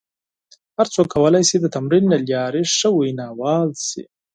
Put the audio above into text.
هر څوک کولای شي د تمرین له لارې ښه ویناوال شي.